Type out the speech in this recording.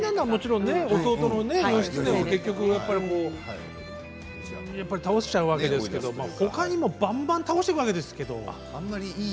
弟の義経を倒しちゃうわけですけれどもほかにもばんばん倒していくわけです。